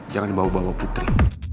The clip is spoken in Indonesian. jangan bawa bawa putri